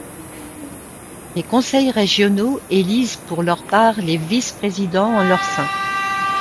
Les conseils régionaux élisent pour leur part les vice-présidents en leur sein.